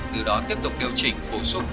từ đó tiếp tục điều chỉnh bổ sung